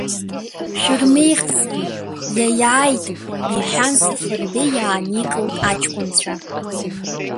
Шәырмеихсын, иааиааит, — иҳәан, Сафарбеи иааникылт аҷкәынцәа.